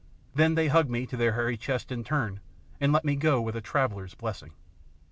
Then they hugged me to their hairy chests in turn, and let me go with a traveller's blessing.